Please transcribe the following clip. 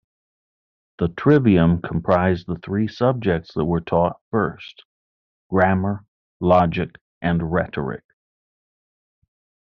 The "trivium" comprised the three subjects that were taught first: grammar, logic, and rhetoric.